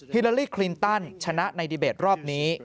ลาลี่คลินตันชนะในดีเบตรอบนี้